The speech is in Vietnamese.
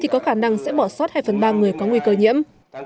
có khả năng sẽ bỏ sót hai phần ba người có nguy cơ nhiễm